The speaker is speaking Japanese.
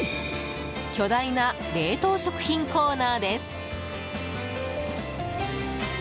巨大な冷凍食品コーナーです。